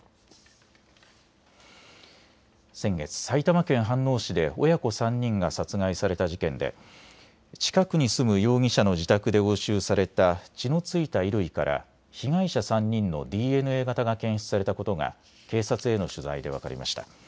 先月、埼玉県飯能市で親子３人が殺害された事件で近くに住む容疑者の自宅で押収された血の付いた衣類から被害者３人のＤＮＡ型が検出されたことが警察への取材で分かりました。